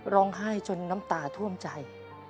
ร้องไห้จนน้ำตาท่วมใจ